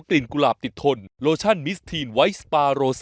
เบรกหายใจกับพวกกลาง